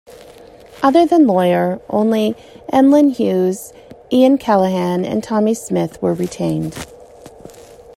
Other than Lawler, only Emlyn Hughes, Ian Callaghan and Tommy Smith were retained.